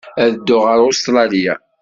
Ad dduɣ ɣer Ustṛalya.